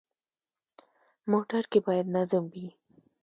موټر کې باید نظم وي.